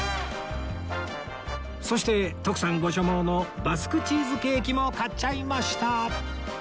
そして徳さんご所望のバスクチーズケーキも買っちゃいました！